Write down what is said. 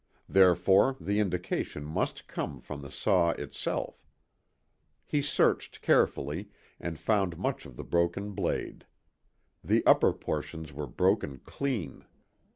Therefore the indication must come from the saw itself. He searched carefully, and found much of the broken blade. The upper portions were broken clean.